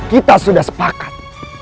kita sudah sepakat